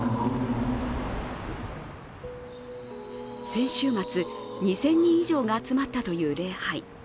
先週末、２０００人以上が集まったという礼拝。